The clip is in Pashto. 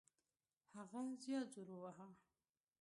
هغه زیات زور وواهه.